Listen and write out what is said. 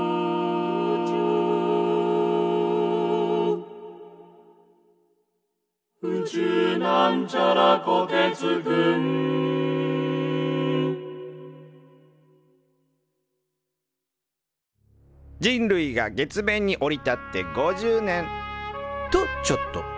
「宇宙」人類が月面に降り立って５０年！とちょっと。